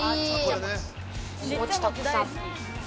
おもちたくさん。